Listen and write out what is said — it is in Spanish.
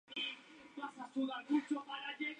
Especies de Asplenium